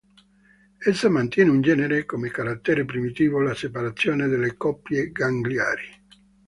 Essa mantiene in genere, come carattere primitivo, la separazione delle coppie gangliari.